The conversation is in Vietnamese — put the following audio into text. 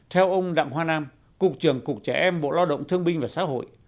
theo ông đặng hoa nam cục trường cục trẻ em bộ lo động thương binh và xã hội